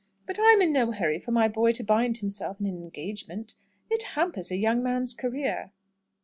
But I am in no hurry for my boy to bind himself in an engagement: it hampers a young man's career."